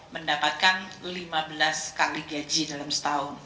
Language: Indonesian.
mendapatkan lima belas kali gaji dalam setahun